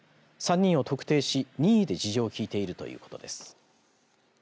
３人を特定し任意で事情を聴いているということです。